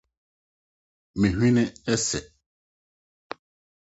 Me hwene ese